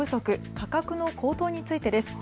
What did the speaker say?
・価格の高騰についてです。